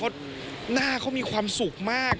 เพราะหน้าเขามีความสุขมาก